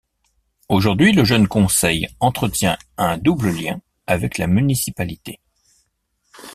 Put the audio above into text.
Aujourd’hui, le Jeune Conseil entretient un double lien avec la municipalité.